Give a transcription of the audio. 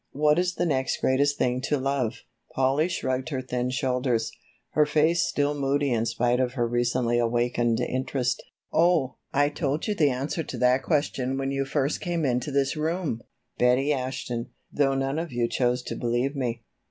What is the next greatest thing to love?" Polly shrugged her thin shoulders, her face still moody in spite of her recently awakened interest. "Oh, I told you the answer to that question when you first came into this room, Betty Ashton, though none of you chose to believe me.